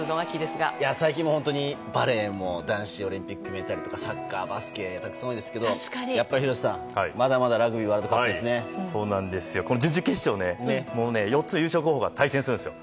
最近、バレーも男子がオリンピック決めたりとかサッカー、バスケすごいんですけどやっぱり廣瀬さん、まだまだラグビーワールドカップ。準々決勝、４つ優勝候補が対戦するんですよ。